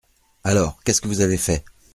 Alors, qu'est-ce que vous avez fait ?